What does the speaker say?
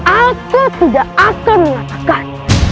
aku tidak akan mengangkat